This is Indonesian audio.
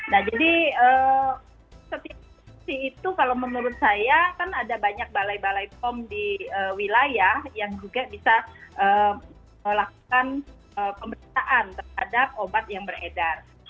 nah jadi setiap sisi itu kalau menurut saya kan ada banyak balai balai pom di wilayah yang juga bisa melakukan pemeriksaan terhadap obat yang beredar